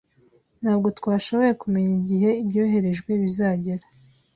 Ntabwo twashoboye kumenya igihe ibyoherejwe bizagera